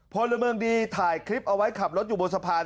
พลเมืองดีถ่ายคลิปเอาไว้ขับรถอยู่บนสะพาน